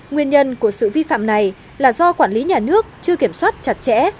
nguyên nhân của sự vi phạm này là do quản lý nhà nước chưa kiểm soát chặt chẽ